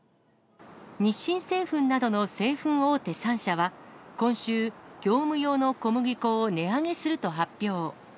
日清製粉などの製粉大手３社は、今週、業務用の小麦粉を値上げすると発表。